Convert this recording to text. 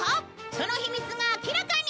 その秘密が明らかに！